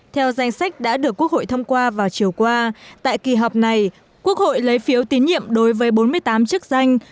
theo danh sách đã được quốc hội thông qua vào chiều qua tại kỳ họp này quốc hội lấy phiếu tín nhiệm đối với bốn mươi tám chức danh